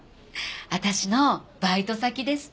私のバイト先です。